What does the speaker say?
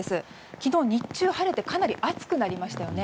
昨日、日中は晴れてかなり暑くなりましたよね。